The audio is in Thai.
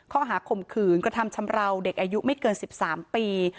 ข่มขืนกระทำชำราวเด็กอายุไม่เกิน๑๓ปี